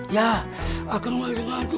ya akan mulai ngantuk